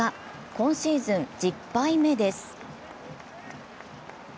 今シーズン１０敗目です。